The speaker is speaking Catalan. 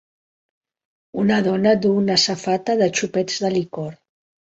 Una dona duu una safata de xopets de licor.